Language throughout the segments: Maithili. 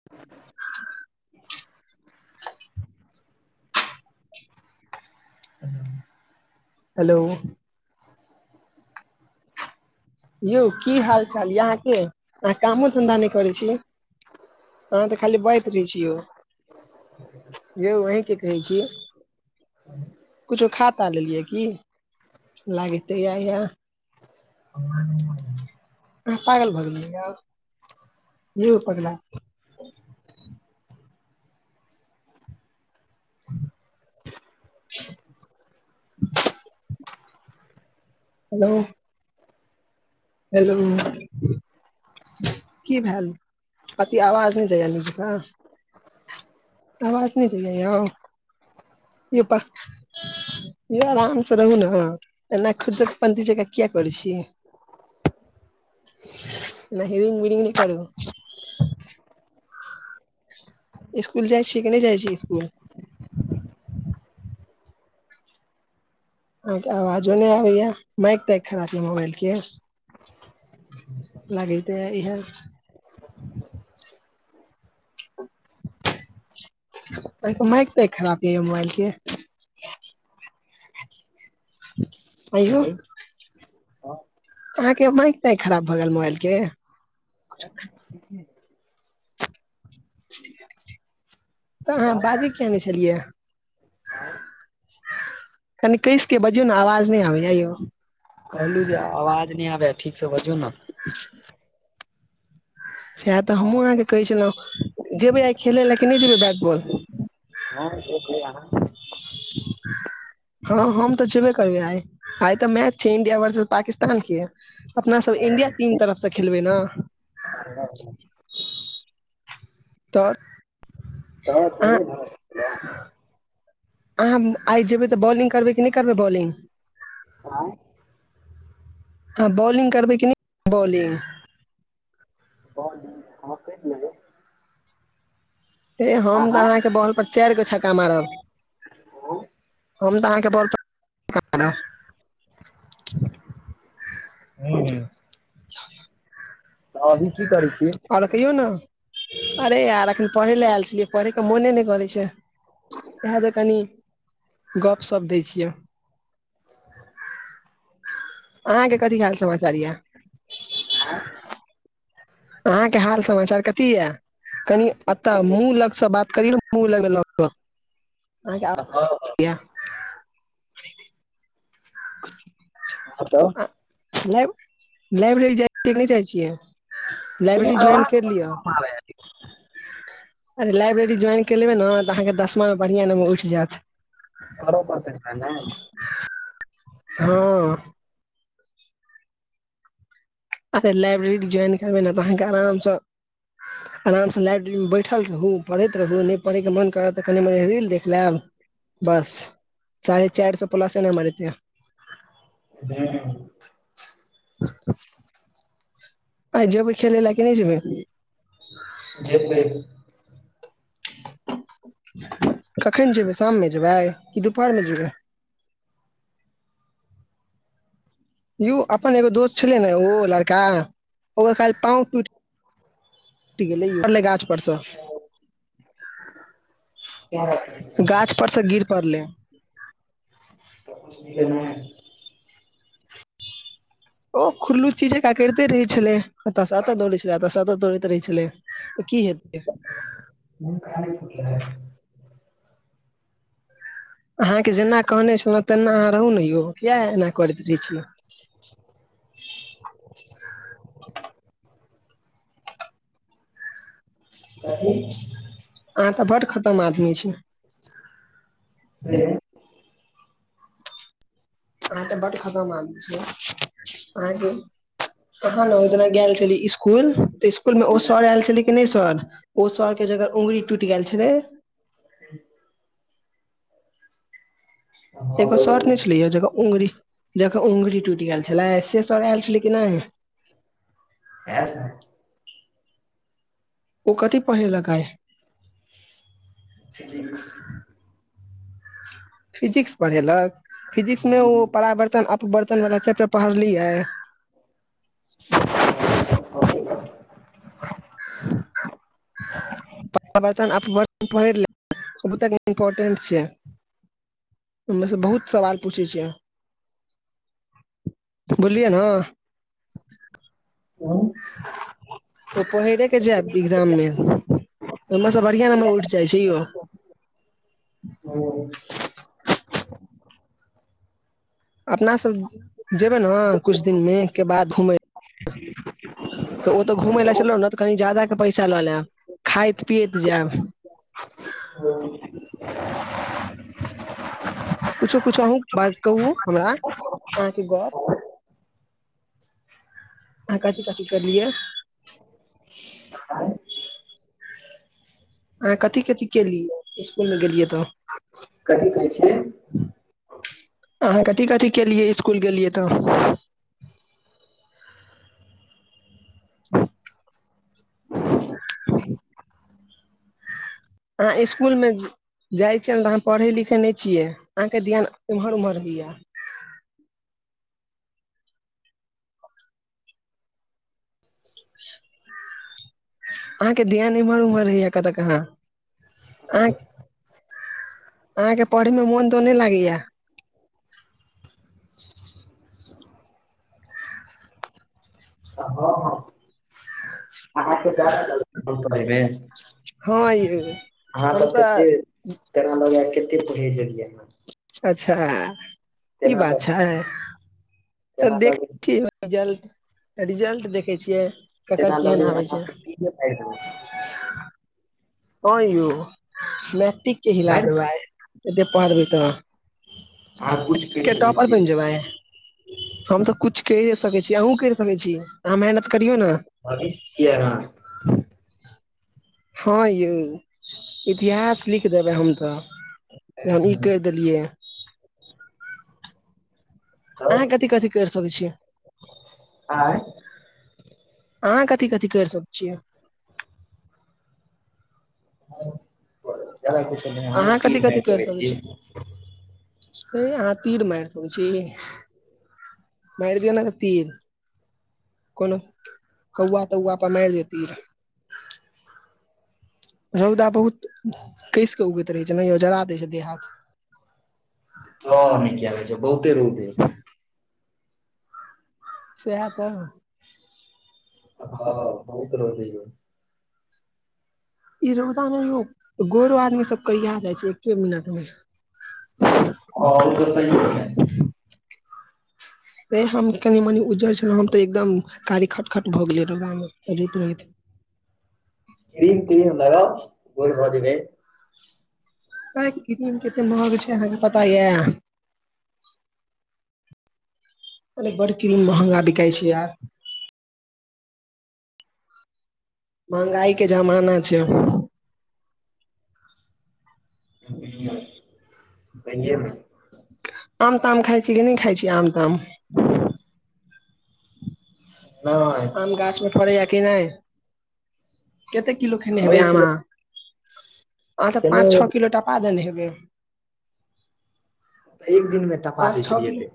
[inaudible] [inaudible] हेलो यौ की हाल चाल यऽ अहाँकेँ अहाँ कामो धन्धा नय करै छी अहाँ तऽ खाली बोआइत रहे छी यो यौ वही केँ कहै छी। कुछो खाऽ ताऽ लेलियै की लागैत तऽ या या [inaudible] अहाँ पागल भऽ गेलियै यौ यौ पगला [inaudible] हेलो हलो की भेल अति आवाज नय जाय य निक जका आवाज नहि जाय य यौ पा यौ आराम सँ रहू न एना खुदक पंती जका किया करै छी एना हिरिंग विरिंग नय करू। इसकुल जाइ छियै की नैय जाइ छी इसकुल अहाँ केँ अवाजो नै आबैय यऽ माइक ताईक खराब य मोबइल केँ [inaudible] लागैत तऽ यै इहे [inaudible] अहाँ केँ माइक ताईक खराब य यौ मोबाइल केँ आ यौ हेलो अहाँकेँ माइक ताइक खराब भऽ गैल मोबाइल केँ [inaudible] तऽ अहाँ बाजै किया नै छलियै कनि कइस केँ बाजियो नऽ आवाज नय आबै य यौ कहलू जे अवाज नय आबै य ठीक सँ बाजू नऽ [inaudible] सैह तऽ हमहूँ अहाँकेँ कहै छलहुँ जेबै आइ खेलै लऽ कि नय जेबै बैट बॉल हँ जेबै अहाँ [inaudible] हँ हम तऽ जैबे करबै आइ आइ तऽ मैच छै इंडिया वर्सेस पाकिस्तान केँ अपना सब इंडिया टीम तरफ सँ खेलबै नऽ तऽ हँ अहाँ जरूर [unintelligible] अहाँ आइ जेबै तऽ बॉलिंग करबै कि नय करबै बॉलिंग आय हँ बॉलिंग करबै की बॉलिंग बॉलिंग हँ [unintelligible] हे हम तऽ अहाँकेँ बॉल पर चाइर गो छक्का मारब हम तऽ अहाँकेँ बॉल पर हुँ हुँ तऽ अभी की करै छी आओर कहियो नऽ अरे यार अखैन पढ़े लऽ आयल छियै पढ़े केँ मोने नय करै छै। इएह जे कनि गपशप दे छियै। अहाँकेँ कथी हाल समाचार यऽ आय अहाँकेँ हाल समाचार कथि यै कनि अतऽ मुँह लगसँ बात करिय मुह लग स हँ आ नहि लाइब्रेरी जाइ छियै कि नहि जाइ छियै लाइब्रेरी ज्वइन कर लिआ अरे लाइब्रेरी ज्वाइन के लेबै ने तऽ अहाँकेँ दसमामे बढ़िआ नम्बर उठि जायत। कर पड़तै छै न हँ लाइब्रेरी ज्वइन करबै ने तऽ अहाँकेँ आरामसँ आरामसँ लाइब्रेरीमे बैठल रहू पढ़ैत रहू नहि पढ़ैके मन करत त कनि मनि रील देख लेब। बस साढ़े चार सौ प्लसे नम्बर ऐतै ह। आइ जेबै खेलैले कि नै जेबै। जेबै। कखन जेबै शाम मे जेबै, कि दुपहर मे जेबै यो अपन एगो दोस्त छलै ने ओ लड़का, ओकर काइल पाव टूत टुत गेलै यौ गाछ पड़स [unintelligible] गाछ परसँ गिर पड़लै। [unintelligible] ओ खुरल्लूच्ची जका करिते रहै छलै, एत सऽ एत दौड़े छलै एत स एत दौड़ैत रहै छलै। तऽ कि हेतै [unintelligible] अहाँकेँ जेना कहने छलौ तेना अहाँ रहु ने यौ, किए एना करैत रहै छीयै [unintelligible] अहाँ त बड़ खतम आदमी छी। अहाँ तऽ बड खतम आदमी छीयै, अहाँकेँ अहाँ लग एकरा गेल छली स्कूल तऽ स्कूल मे ओ सर ऐयल छलै कि नहि सर ओ सरके जकर अगुंरी टूटि गेल छलै एगो शट ने छलै यौ जकर अंगुरी जकर अंगुरी टूटि गेल छेलै से सर ऐयल छलै कि ने [unintelligible] ओ कथि पड़हेल कऽ आइ फिजिक्स। फिजिक्स पढ़ेलक, फिजिक्स मे ओ परावर्तन अपबर्तन वाला चैप्टर पढ़लियै [unintelligible] [unintelligible] पराबर्तन अपवर्तन पैड़ बड़ इम्पोटेट छै ओमेसे बहुत सवाल पूछै छै। बुलियै ने। अ ओ पहिरे के जैएब एग्जाम मे ओमेसे बढ़िया नंबर उठि जाइ छै यौ ह अपना सब जेबै न कुछ दिन मे के बाद घूमै ह [inaudible] तऽ ओतऽ घुमय लए चलब न तऽ कनी जादा क पैसा लऽ लेब खाइत पियैत जाएब [inaudible] कुछो कुछो अहुँ बाज कहू हमरा अहाँके गप आहाँ कथी कथी केलिय [inaudible] अहाँ कथी कथी केलि इसकुल मे गेलियै तऽ कथी कहै छियै अहाँ कथी कथी केलियै इसकुल गेलियै तऽ अहाँ इसकुलमे जाइ छियै न तऽ अहाँ पढ़ै लिखै नय छियै, अहाँके ध्यान ईम्हर उम्हर रहैया अहाँके ध्यान इम्हर उम्हर रहैय या कतऽ कहाँ अहाँक अहाँके पढ़य मे मोन तोन नय लागै या त हाँ-हाँ हँ यौ हम तऽ [unintelligible] [unintelligible] अच्छा ई तेना बात लगै छै तेना तऽ देख लगैये ठी रिजल्ट त रिजल्ट देखै छियै ककर केहन आबे छै [unintelligible] हाँ यौ मैटिक के हिला मारि देबाइ एते पढ़बी तऽ अहाँ कुछ कहि के सकै टॉपर बैन छियै जेबाय हम तऽ कुछ करिए सकै छी अहु करि सकैत छी अहाँ मेहनत करियौ न भविष्य छियै अहाँ हँ [unintelligible] हाँ यौ इतिहास लिख देबै हम तऽ सेहम हँ कैर देलियै या तब अहाँ कथि कथि करि सकैत छीयै। आँय अहाँ कथि कथि कैर सकय छियै जादा किछो नय हमूँ अहाँ कथी तीर मैर कथी सकय छीयै ऐं अहाँ तीर माइर सकय छि माइर दियौ न त तीर कोनो कौआ तौआ पर माइर लिया तीर रौदा बहुत कैस के उगैत रहै छै ने यौ जरा देय छै देह हाथ तने किया कहइ छा बहुते रौद ये सेहेतऽ हँ बहुत रौदी य ई रौदा नै होव गोर आदमी सब करिया जाइ छय एके मिनट मे आ हाँ ऊ त सही कहलैं [unintelligible] त हम कनि मनी उज्जर छलहु हम तऽ एकदम कारी खट खट भ गेलियै रौदा मे रहैत रहैत क्रीम त्रीम लगाव गोर भऽ जेबय हय क्रीम कते महग छै अहाँ के पता य आरे बड़ क्रीम महँंगा बिकाइ छै यार महँंगाई के जमाना छै हूं सहिये मे आम ताम खाइ छै कि नहि खाइ छीय आम ताम नए गाछ मे फड़ै य कि नहि कते किलो खेने करै हेबै आम छलै अहाँ अहाँ त पाँच खेलैमे छओ किलो टापा देने हेबय। एक दिनमे टपा दै छलियैते।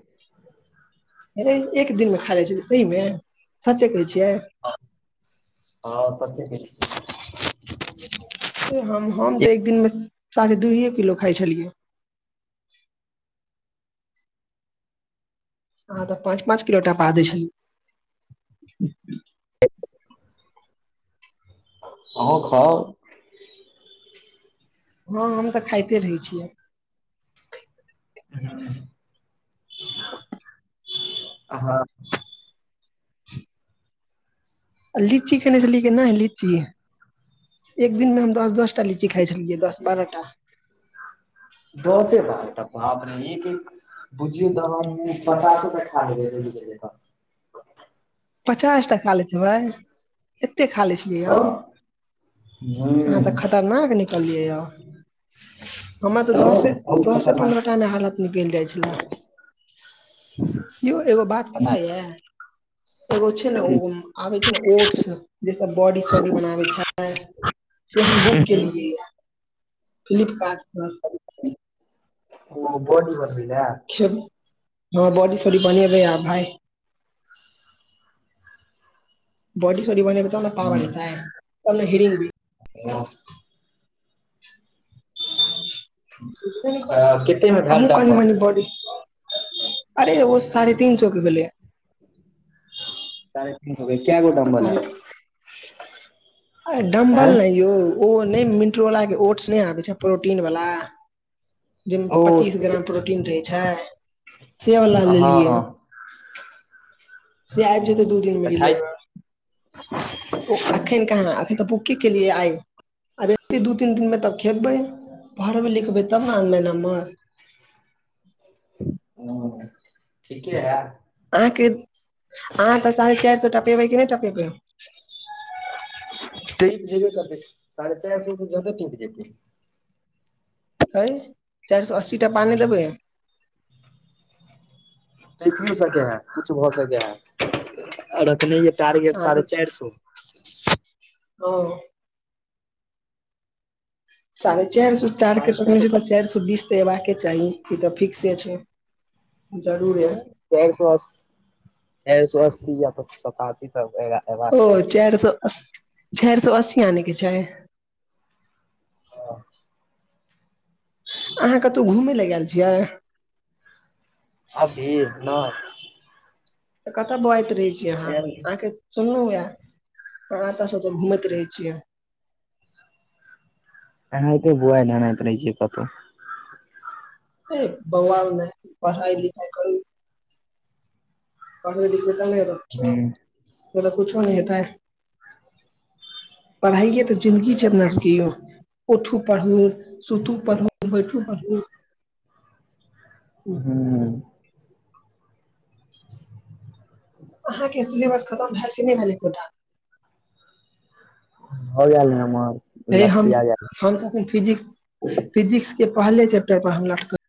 एक दिन मे खा लइ छै सही मे सचे कहै छियै हाँ सचे कहइ छी हम तऽ एक दिन मे साझे दूइए किलो खाइ छलियै हँ त पाँच पाँच किलो टपा दै छल अहो खाउ ह हम तऽ खाइते रहय छियै हूँ। [inaudible] अहाँ लीची खेने छली के नहि लीची। एक दिनमे हम दस दसटा लीची खाइ छलियै दस बारहटा दसे बरहटा बाप रे एक एक बुझियो त हम पँचासँ रूपा खा लेबै बुझ गेलियै तऽ पचासँटा खाली छै भाय एते खाली हँ छलियो। अहाँ हुँ त खतरनाक निकललियै। हमरा त तऽ दस से बहुत दस से खतरनाक पन्द्रहटा मे हालत निकलि जाइ छले यौ एगो बात पता य एगो छै ने ओ आब छै ने ओट्स जे सभ बॉडी सॉडी बनाबै छै आय से हम बुग गेलियय य फ्लिपकार्ट पर ओ बोडी बर्बीए लऽ ह बॉडी सॉडी बने रहै या भाय। बाॅडी [unintelligible] हुँ वहा तऽ कतेमे हम भेल कनि डम्बल मनी बडी। अरे ओ साढ़े तीन सै के भेलै। साढ़े तीन सौ के कै गोट अंल है। अरे डम्बल आँय ने यौ ओ नहि मिट्रो वाला के ओतसऽ नहि आबे छै प्रोटीन वाला जाहि मे ओ पच्चीस ग्राम प्रोटीन रहै छै सेवला हँ लेलियै। हँ से आबि जेतै हम्म, दू दिन मे तऽ खाइ छी लेव ओ अखन कहा आखे तऽ बुक केलियै आइ आब एते दू तीन दिन मे तब खेबै घर मे लिखबै तब ने अ नम्बर। ठीके ह। अहाँ अह तऽ साढ़े चार सौ टपे कि नहि टपे प छैब कत साढ़े चारि सए तऽ जदा पीप जेके हए चारि सौ अशीटा पानि देबे त की सके है कुछु भऽ सके हैं रखने हे टारगेट अहाँ साढ़े चार स ओ। साढ़े चार सौ चार के साढ़े चारि सकने सौ छै त चार सौ बीस तऽ एबाके चाही ई तऽ हमर फिक्से छै। जरूर र चारि सौ अस्सी चारि सौ अस्सी या तऽ सतासी तक एगा ओ चारि सौ चारि सो अस्सी आनेके छै। हँ अहाँ कतौ घूमेय लए गेल छियै? अभी नय तऽ कतऽ बौआइत रहै छियै अहाँ एल अहाँके। सुनलहुँ ए आहाँ एतऽ से ओतऽ घूमैत रहै छियै। एनाहिते बौआइ ढहनाइत रहै छियै कतौ। हेय बौआउ नहि पढ़ाइ लिखाइ करू पढबै लिखबै तब न हेतै कुछो नै हूँ तऽ कुछो नय हेतै। पढ़ाइये तऽ जिन्दगी छै अपना सबके यौ उठु पढ़ू। सुतू पढु बैठु पढु। हुँ अहाँके सिलेबस खतम भेल की नै भेल एकोटा? हो गेल ये हमर। हेय हम लक्ष्य या फिजिक्स फिजिक्स के पहले चैप्टर पर हम लटकल छी।